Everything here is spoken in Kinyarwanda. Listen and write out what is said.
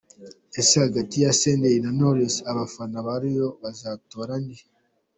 Ese hagati ya Senderi na Knowless abafana ba Rayon bazatora nde.